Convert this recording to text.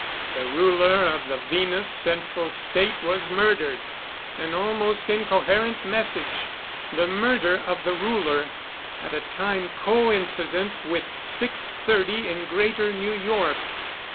The ruler of the Venus Central State was murdered! An almost incoherent message. The murder of the ruler, at a time co incident with 6:30 in Greater New York.